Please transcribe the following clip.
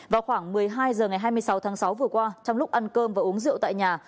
vào khoảng một mươi hai h ngày hai mươi sáu tháng sáu vừa qua trong lúc ăn cơm và uống rượu tại nhà